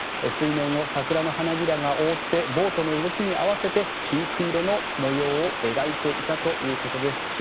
水面を桜の花びらが覆ってボートの動きに合わせてピンク色の模様を描いていたということです。